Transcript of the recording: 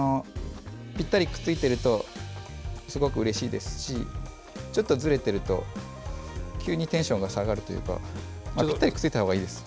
ぴったり、くっついてるとすごくうれしいですしちょっとずれてると急にテンションが下がるというかぴったり、くっついたほうがいいです。